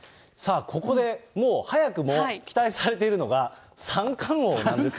ここでもう早くも期待されているのが三冠王なんですよ。